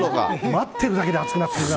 待ってるだけで熱くなってくるな。